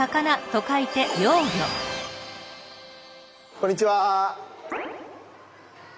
こんにちは。